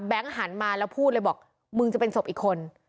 หันมาแล้วพูดเลยบอกมึงจะเป็นศพอีกคน